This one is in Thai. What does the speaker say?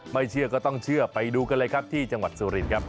เชื่อก็ต้องเชื่อไปดูกันเลยครับที่จังหวัดสุรินครับ